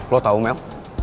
lu tau mel